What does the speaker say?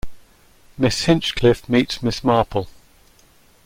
Miss Hinchcliffe meets Miss Marple.